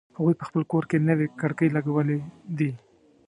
هغوی په خپل کور کی نوې کړکۍ لګولې دي